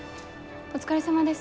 お疲れさまです。